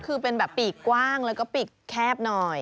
คือเป็นแบบปีกกว้างแล้วก็ปีกแคบหน่อย